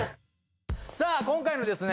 さあ今回のですね